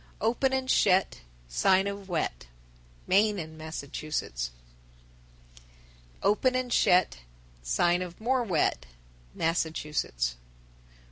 Open and shet, Sign of wet. Maine and Massachusetts. 1030. Open and shet, Sign of more wet. _Massachusetts.